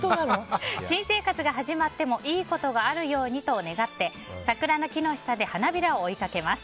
新生活が始まってもいいことがあるようにと願って桜の木の下で花びらを追いかけます。